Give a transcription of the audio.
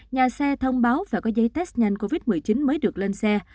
nhà xe thông báo phải có giấy test nhanh covid một mươi chín mới được lên xe